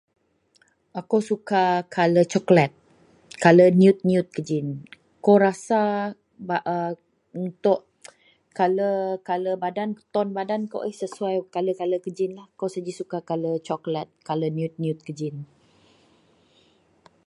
kou suka kala coklat kala nyiut nyiut keji. Kou rasa bak... aa untuk kala.. Kala badan. ton badan pun sesuai kala kala geji, akou saji suka kala coklet kala nyiut nyiut geji,